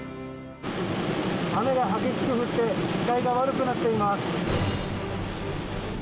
雨が激しく降って視界が悪くなっています。